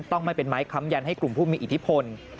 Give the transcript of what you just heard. ต้องไม่เป็นไม้ค้ำยันให้กลุ่มผู้มีอิทธิพล